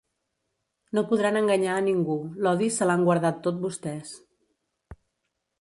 No podran enganyar a ningú, l'odi se'l han guardat tot vostès.